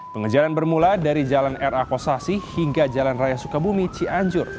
pengejaran bermula dari jalan r a kosasi hingga jalan raya sukabumi cianjur